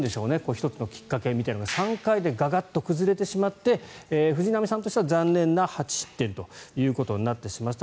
１つのきっかけみたいなのが３回でガガッと崩れてしまって藤浪さんとしては残念な８失点ということになってしまいました。